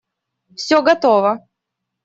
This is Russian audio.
Все готово.